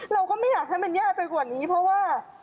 เราก็ไม่อยากให้มันยากไปกว่านี้เพราะว่า